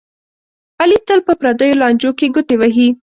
علي تل په پردیو لانجو کې ګوتې وهي.